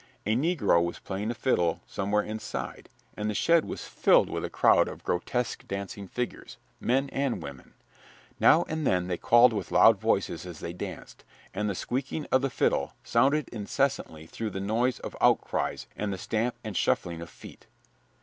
A negro was playing a fiddle somewhere inside, and the shed was filled with a crowd of grotesque dancing figures men and women. Now and then they called with loud voices as they danced, and the squeaking of the fiddle sounded incessantly through the noise of outcries and the stamp and shuffling of feet.